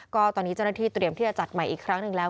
ก็ตอนนี้เจ้าหน้าที่เตรียมที่จะจัดใหม่อีกครั้งหนึ่งแล้ว